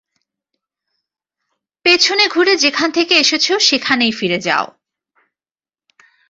পেছনে ঘুরে যেখান থেকে এসেছ সেখানেই ফিরে যাও।